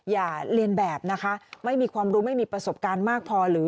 อย่าเรียนแบบนะคะไม่มีความรู้ไม่มีประสบการณ์มากพอหรือ